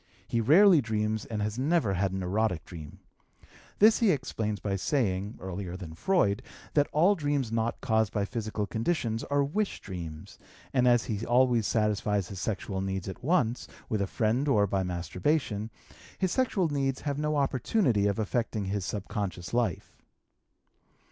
He rarely dreams and has never had an erotic dream; this he explains by saying (earlier than Freud) that all dreams not caused by physical conditions are wish dreams, and as he always satisfies his sexual needs at once, with a friend or by masturbation, his sexual needs have no opportunity of affecting his subconscious life.